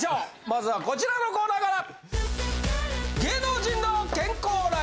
まずはこちらのコーナーから。